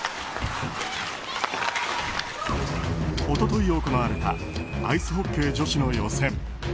一昨日行われたアイスホッケー女子の予選。